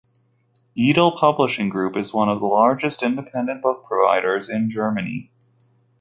Edel publishing group is one of the largest independent book providers in Germany.